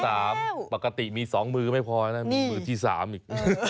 เป็นมือที่๓ปกติมี๒มือไม่พอนะมีมือที่๓อีก